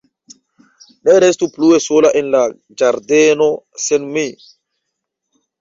Ne restu plue sola en la ĝardeno, sen mi!